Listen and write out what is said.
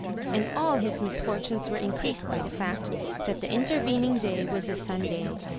And all his misfortunes were increased by the fact that the intervening day was a Sunday.